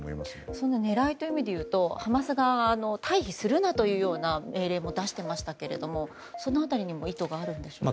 その狙いという意味でいうとハマス側は退避するなというような命令も出していましたがその辺りにも意図があるんでしょうか。